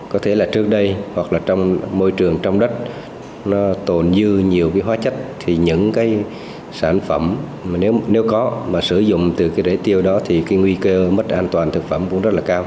có thể là trước đây hoặc là trong môi trường trong đất nó tồn dư nhiều cái hóa chất thì những cái sản phẩm mà nếu có mà sử dụng từ cái rễ tiêu đó thì cái nguy cơ mất an toàn thực phẩm cũng rất là cao